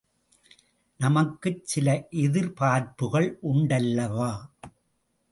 நமக்கும் சில எதிர்பார்ப்புக்கள் உண்டல்லவா?